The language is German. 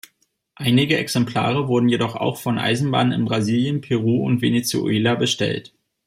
Einige Exemplare wurden jedoch auch von Eisenbahnen in Brasilien, Peru und Venezuela bestellt.